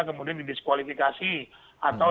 kemudian di diskualifikasi atau